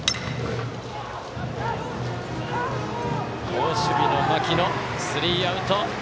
好守備の牧野、スリーアウト。